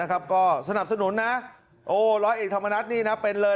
ก็สนับสนุนนะโอ้ร้อยเอกธรรมนัฐนี่นะเป็นเลย